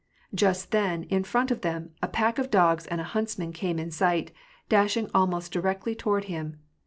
Just then, in front of them, a pack of dogs and a huntsman came in sight, dashing almost directly toward him.